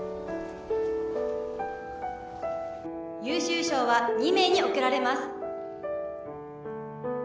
優秀賞は２名に贈られます。